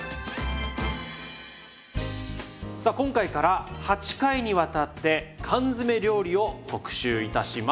さあ今回から８回にわたって缶詰料理を特集いたします。